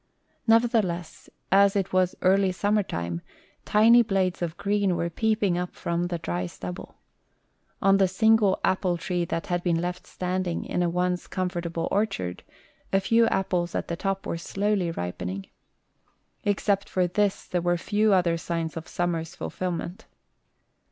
Nevertheless, as it was early summer time, tiny blades of green were peeping up from the dry stubble. On the single apple tree that had been left standing in a once comfortable orchard, a few apples at the top were slowly ripening. Except for this there were few other signs of summer's fulfilment.